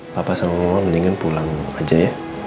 bapak sama mama mendingan pulang aja ya